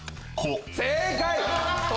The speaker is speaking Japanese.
正解！